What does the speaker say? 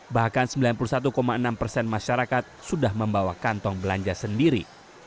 bahkan sembilan puluh satu enam persen masyarakat sudah membawa kantong belanja sendiri